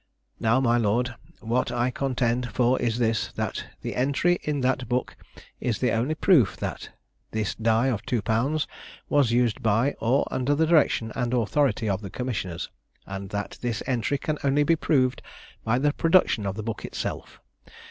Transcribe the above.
Now, my lord, what I contend for is this, that the entry in that book is the only proof that this die of £2 was used by or under the direction and authority of the commissioners, and that this entry can only be proved by the production of the book itself.